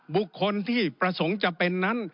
บุคคลที่ประสงค์จะเป็นนั้น